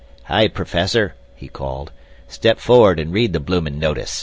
"Hi, perfesser," he called, "step for'rd and read the bloomin' notis."